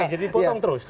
jadi potong terus